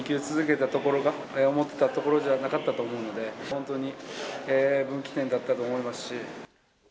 正尚さんのカーブを２球続けたところが、思ってたところじゃなかったと思うので、本当に分岐点だったと思いますし。